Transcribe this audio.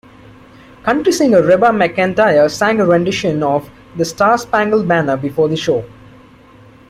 Country Singer Reba McEntire sang a rendition of "The Star-Spangled Banner" before the show.